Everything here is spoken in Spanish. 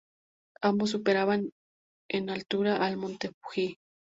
Ambos superaban en altura al monte Fuji.